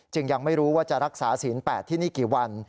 ยังไม่รู้ว่าจะรักษาศีล๘ที่นี่กี่วัน